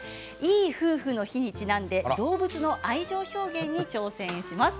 いい夫婦の日にちなんで動物の愛情表現に挑戦します。